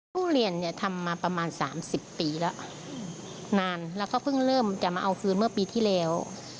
ผู้เรียนเนี่ยทำมาประมาณ๓๐ปีแล้วนานแล้วก็เพิ่งเริ่มจะมาเอาคืนเมื่อปีที่แล้ว